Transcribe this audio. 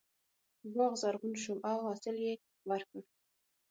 باغ زرغون شو او حاصل یې ورکړ.